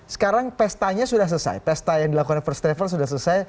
sekarang pestanya sudah selesai pesta yang dilakukan first travel sudah selesai